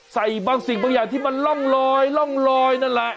ใส่บางสิ่งบางอย่างที่มันล่องลอยนั่นล่ะ